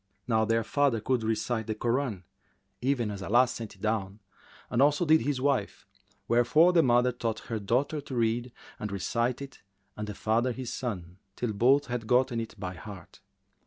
Now their father could recite the Koran, even as Allah sent it down, as also did his wife, wherefore the mother taught her daughter to read and recite it and the father his son till both had gotten it by heart.